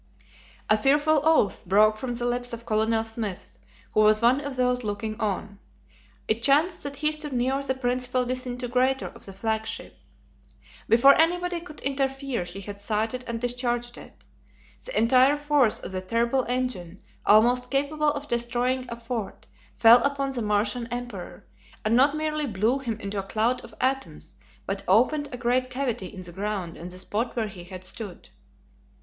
A fearful oath broke from the lips of Colonel Smith, who was one of those looking on. It chanced that he stood near the principal disintegrator of the flagship. Before anybody could interfere he had sighted and discharged it. The entire force of the terrible engine, almost capable of destroying a fort, fell upon the Martian Emperor, and not merely blew him into a cloud of atoms, but opened a great cavity in the ground on the spot where he had stood.